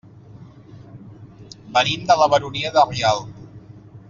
Venim de la Baronia de Rialb.